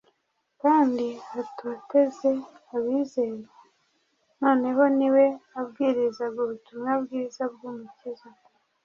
kandi atoteze abizera, noneho ni we wabwirizaga ubutumwa bwiza bw’Umukiza